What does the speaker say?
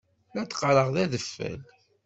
La d-qqaṛen d adfel.